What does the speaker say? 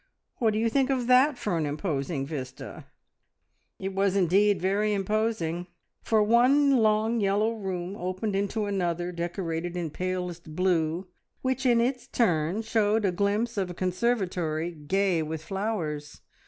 What do you think of that for an imposing vista?" It was indeed very imposing, for one long yellow room opened into another decorated in palest blue, which in its turn showed a glimpse of a conservatory gay with flowers.